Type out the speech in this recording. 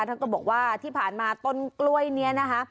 ท่านก็บอกว่าที่ผ่านมาต้นกล้วยนี้นะคะ